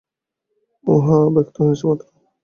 এখন উহা ব্যক্ত হইয়াছে মাত্র।